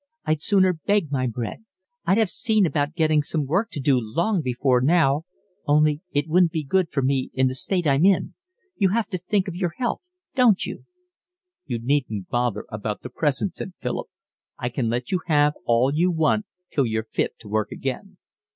I'd sooner beg my bread. I'd have seen about getting some work to do long before now, only it wouldn't be good for me in the state I'm in. You have to think of your health, don't you?" "You needn't bother about the present," said Philip. "I can let you have all you want till you're fit to work again."